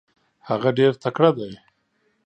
هغه ډېر تکړه دی.